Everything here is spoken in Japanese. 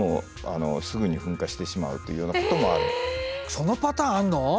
そのパターンあるの？